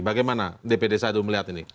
bagaimana dpd satu melihat ini